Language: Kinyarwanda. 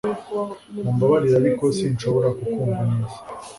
Mumbabarire ariko sinshobora kukumva neza